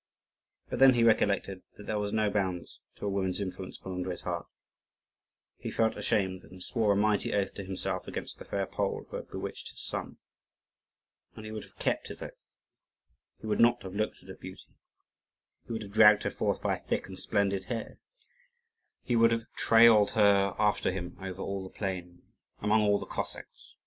But then he recollected that there were no bounds to a woman's influence upon Andrii's heart; he felt ashamed, and swore a mighty oath to himself against the fair Pole who had bewitched his son. And he would have kept his oath. He would not have looked at her beauty; he would have dragged her forth by her thick and splendid hair; he would have trailed her after him over all the plain, among all the Cossacks.